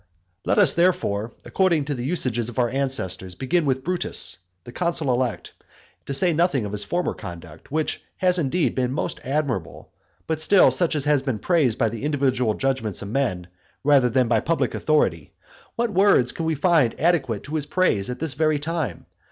Let us, therefore, according to the usages of our ancestors, begin with Brutus, the consul elect, and, to say nothing of his former conduct, which has indeed been most admirable, but still such as has been praised by the individual judgments of men, rather than by public authority, what words can we find adequate to his praise at this very time?